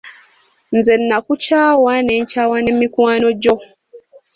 Nze nakukyawa n’enkyawa ne mikwano gyo.